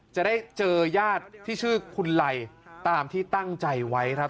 จะได้เจอญาติที่ชื่อคุณไลตามที่ตั้งใจไว้ครับ